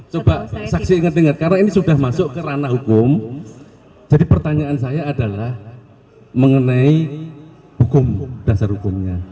coba saksi ingat ingat karena ini sudah masuk ke ranah hukum jadi pertanyaan saya adalah mengenai hukum dasar hukumnya